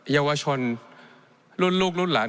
เยาวชนรุ่นลูกรุ่นหลาน